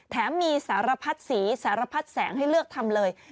แถมมีสารพัดสีสารพัดแสงให้เลือกทำเลย